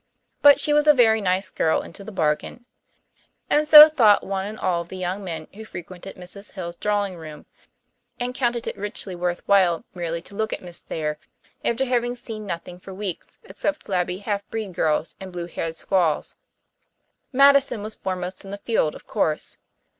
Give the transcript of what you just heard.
But she was a very nice girl into the bargain, and so thought one and all of the young men who frequented Mrs. Hill's drawing room and counted it richly worth while merely to look at Miss Thayer after having seen nothing for weeks except flabby half breed girls and blue haired squaws. Madison was foremost in the field, of course.